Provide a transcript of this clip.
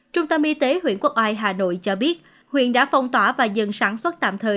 trung tâm y tế huyện quốc oai hà nội cho biết huyện đã phong tỏa và dần sản xuất tạm thời